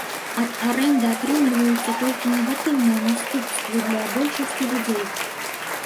Ад арэнды атрымліваюцца толькі негатыўныя наступствы для большасці людзей.